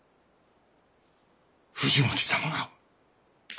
藤巻様が。